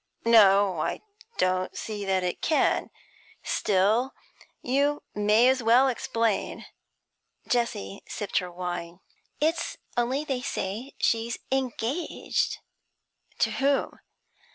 'No, I don't see that it can. Still, you may as well explain.' Jessie sipped her wine. 'It's only that they say she's engaged.' 'To whom?'